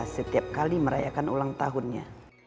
setiap kali merayakan ulang tahunnya